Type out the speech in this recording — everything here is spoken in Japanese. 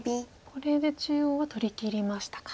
これで中央は取りきりましたか。